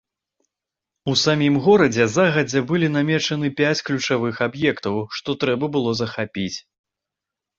У самім горадзе загадзя былі намечаны пяць ключавых аб'ектаў, што трэба было захапіць.